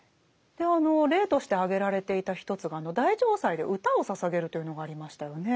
で例として挙げられていた一つが大嘗祭で歌を捧げるというのがありましたよね。